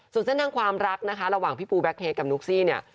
ส่วนเส้นทางความรักนะคะระหว่างพี่ปูแก๊เคกับนุ๊กซี่เนี่ย